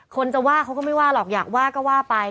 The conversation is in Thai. คนจะว่าเขาก็ไม่ว่าหรอกอยากว่าก็ว่าไป